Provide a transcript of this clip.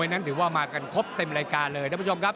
สวัสดีครับ